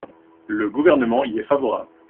Le Gouvernement y est favorable.